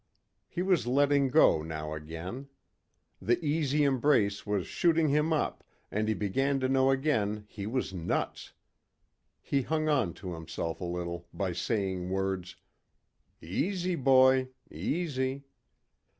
He was letting go now again. The easy embrace was shooting him up and he began to know again he was nuts. He hung on to himself a little by saying words.... "Easy boy.... Easy...."